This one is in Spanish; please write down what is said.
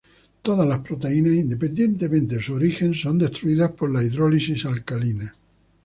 Todas las proteínas, independientemente de su origen, son destruidos por la hidrólisis alcalina.